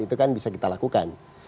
itu kan bisa kita lakukan